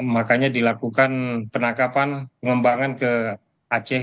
makanya dilakukan penangkapan pengembangan ke aceh